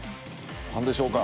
何でしょうか？